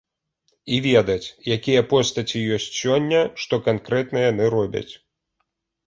І ведаць, якія постаці ёсць сёння, што канкрэтна яны робяць.